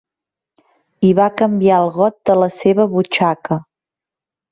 I va canviar el got de la seva butxaca.